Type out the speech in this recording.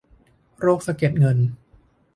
โรคสะเก็ดเงิน